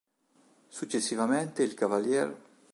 Successivamente il cav.